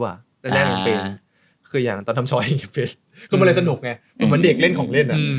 เหมือนเด็กเล่นของเล่น